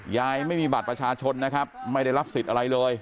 ยายไม่มีบัตรประชาชนนะครับไม่ได้รับสิทธิ์อะไรเลย